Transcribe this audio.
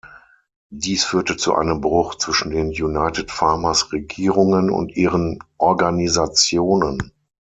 Dies führte zu einem Bruch zwischen den United-Farmers-Regierungen und ihren Organisationen.